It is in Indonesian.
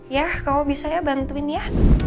ya kamu bisa ya bantuin ya